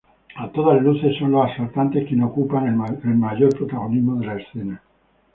A todas luces, son los asaltantes quienes ocupan el mayor protagonismo de la escena.